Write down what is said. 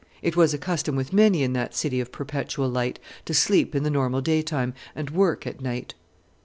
It was a custom with many in that city of perpetual light to sleep in the normal daytime and work at night.